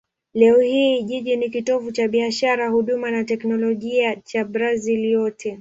Leo hii jiji ni kitovu cha biashara, huduma na teknolojia cha Brazil yote.